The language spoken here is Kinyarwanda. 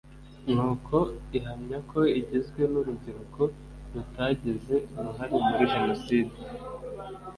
ni uko ihamya ko igizwe n’urubyiruko rutagize uruhare muri jeniside